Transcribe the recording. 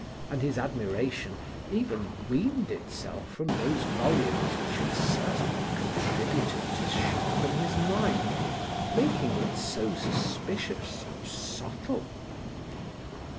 And his admiration even weaned itself from those volumes which had certainly contributed to sharpen his mind, making it so suspicious and subtle.